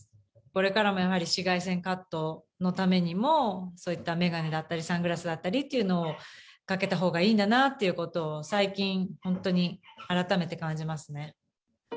これからもやはり紫外線カットのためにも、そういった眼鏡だったリ、サングラスだったりっていうのを、かけたほうがいいんだなということを最近、本当に改めて感じますね。